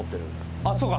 あっそうか。